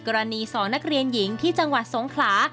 กรณี๒นักเรียนหญิงที่จังหวัดสงขลา